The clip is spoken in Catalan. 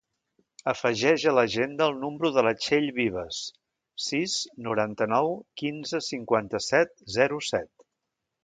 Afegeix a l'agenda el número de la Txell Vivas: sis, noranta-nou, quinze, cinquanta-set, zero, set.